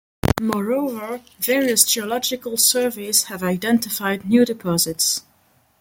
Moreover, various geological surveys have identified new deposits.